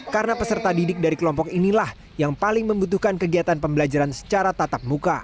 karena peserta didik dari kelompok inilah yang paling membutuhkan kegiatan pembelajaran secara tatap muka